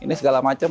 ini segala macam